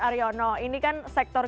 ariono ini kan sektor